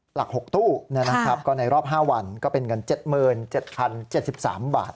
หลัก๖ตู้ก็ในรอบ๕วันก็เป็นเงิน๗๗๐๗๓บาท